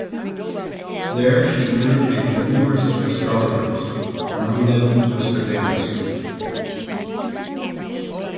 There she entertained numerous astrologers, among them Nostradamus.